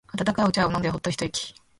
温かいお茶を飲んでホッと一息。